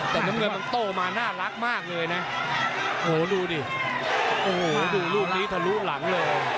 แต่น้ำเงินมันโตมาน่ารักมากเลยน่ะโอ้โหดูดิอ่อดูรูปนี้ถลุกหลังเลย